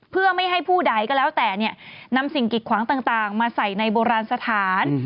เพื่อไม่ให้ผู้ใดก็แล้วแต่นำสิ่งกิดขวางต่างมาใส่ในโบราณสถาน